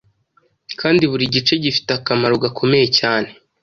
kandi buri gice gifite akamaro gakomeye cyane